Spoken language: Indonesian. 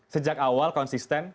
sejak awal konsisten